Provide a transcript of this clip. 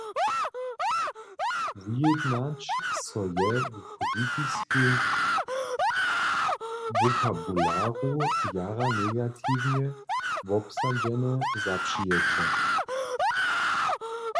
Wujednać so je w politiskim wokabularu jara negatiwnje wobsadźene zapřijeće.